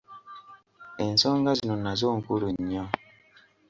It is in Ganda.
Ensonga zino nazo nkulu nnyo.